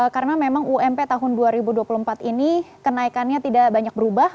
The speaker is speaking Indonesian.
karena memang ump tahun dua ribu dua puluh empat ini kenaikannya tidak banyak berubah